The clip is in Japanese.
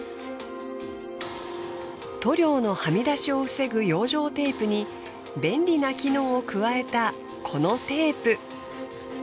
塗料のはみ出しを防ぐ養生テープに便利な機能を加えたこのテープ。